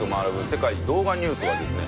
世界動画ニュース』はですね